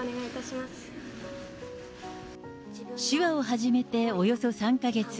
手話を始めておよそ３か月。